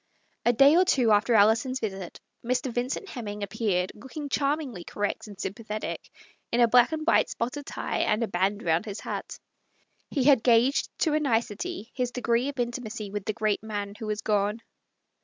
A day or two after Alison's visit Mr. Vin cent Hemming appeared, looking charmingly correct and sympathetic, in a black and white spotted tie and a band round his hat. He had gauged to a nicety his degree of intimacy with the great man who was gone.